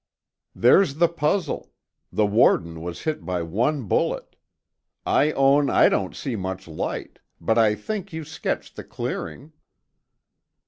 "There's the puzzle; the warden was hit by one bullet. I own I don't see much light; but I think you sketched the clearing."